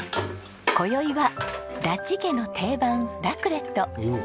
こよいはラッジ家の定番ラクレット。